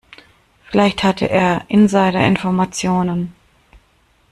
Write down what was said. Vielleicht hatte er Insiderinformationen.